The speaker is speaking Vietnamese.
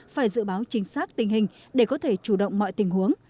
phải dự báo chính xác tình hình để có thể chủ động mọi tình huống